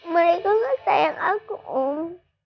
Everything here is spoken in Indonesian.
mereka gak sayang aku om